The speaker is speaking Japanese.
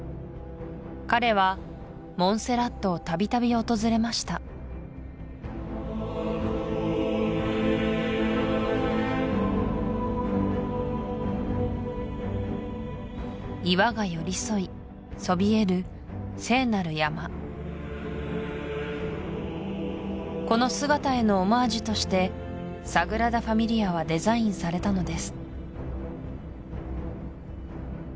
彼はモンセラットをたびたび訪れました岩が寄り添いそびえる聖なる山この姿へのオマージュとしてサグラダ・ファミリアはデザインされたのです